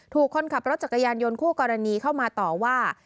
ถูกคนขับรถจักรยานยนต์คู่กรณีเข้ามาต่อว่า